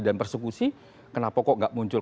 dan persekusi kenapa kok gak muncul